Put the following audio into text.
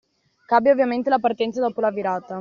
Cambia ovviamente la partenza dopo la virata.